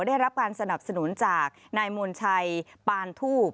ได้รับการสนับสนุนจากนายมนชัยปานทูบ